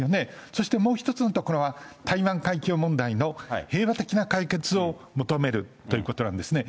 そしてもう１つのところは、台湾海峡問題の平和的な解決を求めるということなんですね。